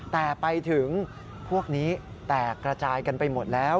แต่ไปถึงพวกนี้แตกระจายกันไปหมดแล้ว